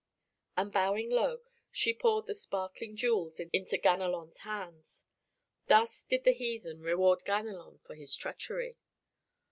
And bowing low, she poured the sparkling jewels into Ganelon's hands. Thus did the heathen reward Ganelon for his treachery.